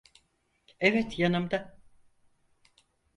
Evet, yanımda.